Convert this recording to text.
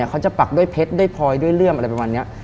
เขาจะปักด้วยเพชรด้วยพลอยด้วยเลื่อมอะไรประมาณนี้